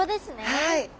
はい。